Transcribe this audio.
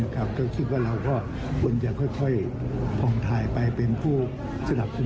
ก็คิดว่าเราก็ควรจะค่อยผ่องทายไปเป็นผู้สนับสนุน